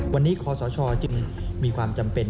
วันนี้ขอสชจึงมีความจำเป็น